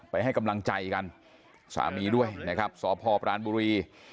ให้กำลังใจกันสามีด้วยนะครับสพปรานบุรี